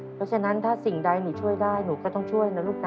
เพราะฉะนั้นถ้าสิ่งใดหนูช่วยได้หนูก็ต้องช่วยนะลูกนะ